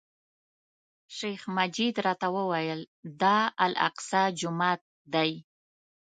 شیخ مجید راته وویل، دا الاقصی جومات دی.